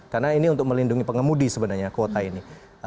karena ini untuk melindungi pengemudi sebenarnya kuota ini